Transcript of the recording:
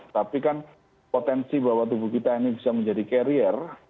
tapi kan potensi bahwa tubuh kita ini bisa menjadi carrier